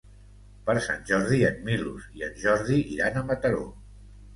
Per Sant Jordi en Milos i en Jordi iran a Mataró.